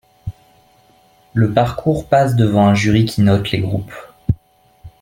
Le parcours passe devant un jury, qui note les groupes.